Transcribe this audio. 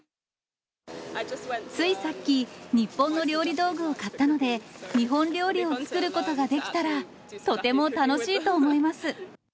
ついさっき、日本の料理道具を買ったので、日本料理を作ることができたら、とても楽しいと思います。